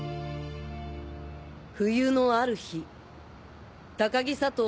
冬のある日高木・佐藤